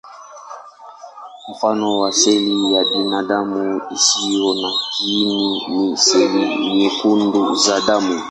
Mfano wa seli ya binadamu isiyo na kiini ni seli nyekundu za damu.